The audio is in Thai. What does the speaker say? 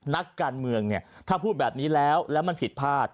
นักการเมืองเนี่ยถ้าพูดแบบนี้แล้วแล้วมันผิดพลาด